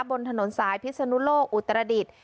บนถนนสายพิศนุโลกอุตรดิษฐ์